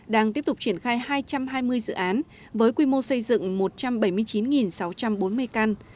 đang tiếp tục triển khai hai trăm hai mươi dự án với quy mô xây dựng một trăm bảy mươi chín sáu trăm bốn mươi căn